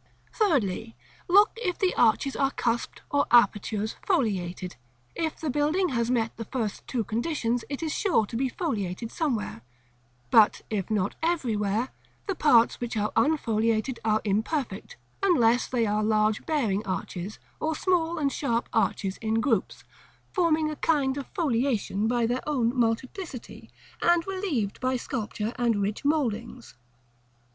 § CIX. Thirdly. Look if the arches are cusped, or apertures foliated. If the building has met the first two conditions, it is sure to be foliated somewhere; but, if not everywhere, the parts which are unfoliated are imperfect, unless they are large bearing arches, or small and sharp arches in groups, forming a kind of foliation by their own multiplicity, and relieved by sculpture and rich mouldings.